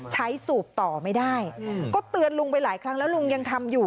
สูบต่อไม่ได้ก็เตือนลุงไปหลายครั้งแล้วลุงยังทำอยู่